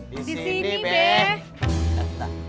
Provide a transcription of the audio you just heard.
di sini be